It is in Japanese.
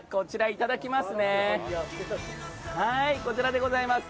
いただきます！